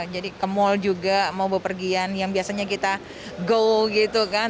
jadi ke mal juga mau berpergian yang biasanya kita go gitu kan